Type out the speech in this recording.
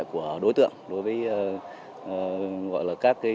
của đối tượng đối với gọi là các cái